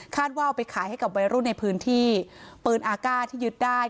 ว่าเอาไปขายให้กับวัยรุ่นในพื้นที่ปืนอากาศที่ยึดได้